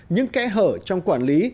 những kẽ hở trong quản lý